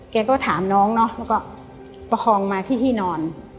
แกก็ถามน้องเนาะแล้วก็ประคองมาที่ที่นอน